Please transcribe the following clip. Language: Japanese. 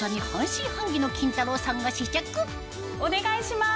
お願いします。